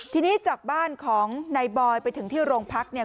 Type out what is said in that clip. ทีนี้จากบ้านของนายบอยไปถึงที่โรงพักเนี่ย